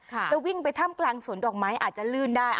แล้ววิ่งไปถ้ำกลางสวนดอกไม้อาจจะลื่นได้